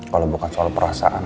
kalau bukan soal perasaan